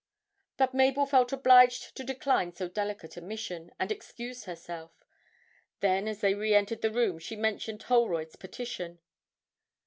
But Mabel felt obliged to decline so delicate a mission, and excused herself. Then, as they re entered the room she mentioned Holroyd's petition.